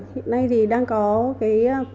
hiện nay thì đang có cái